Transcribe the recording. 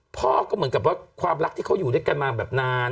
พ่อก็เหมือนกับว่าความรักที่เขาอยู่ด้วยกันมาแบบนาน